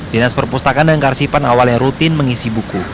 dinas perpustakaan dan karsipan awalnya rutin mengisi buku